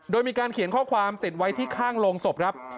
โดยมีการเขียนข้อความติดไว้ที่ข้างโรงศพครับ